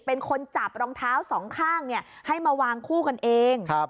เป็นคนจับรองเท้าสองข้างให้มาวางคู่กันเอง